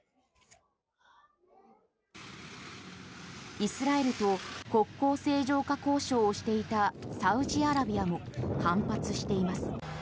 イスラエルと国交正常化交渉をしていたサウジアラビアも反発しています。